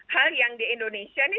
hal yang di indonesia ini